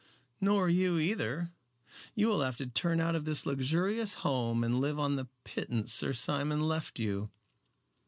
"Nor you either. You will have to turn out of this luxurious home and live on the pittance Sir Simon left you."